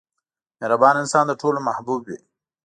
• مهربان انسان د ټولو محبوب وي.